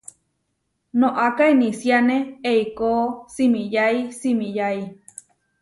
Noʼaká inisiáne eikó simiyái simiyái.